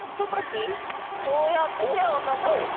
こうやって手をたたくと。